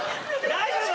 大丈夫？